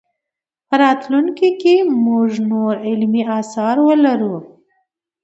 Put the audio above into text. په راتلونکي کې به موږ نور علمي اثار ولرو.